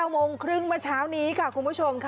โมงครึ่งเมื่อเช้านี้ค่ะคุณผู้ชมค่ะ